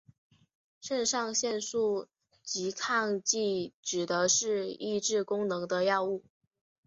肾上腺素拮抗剂指的是抑制功能的药物。